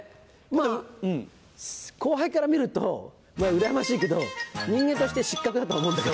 まぁ後輩から見るとうらやましいけど人間として失格だと思うんだけど。